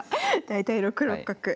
大体６六角。